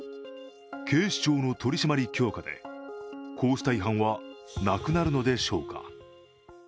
警視庁の取り締まり強化で、こうした違反はなくなるのでしょうか。